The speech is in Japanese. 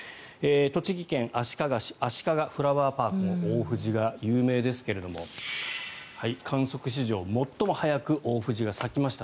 栃木県足利市あしかがフラワーパーク大藤が有名ですけども観測史上最も早く大藤が咲きました。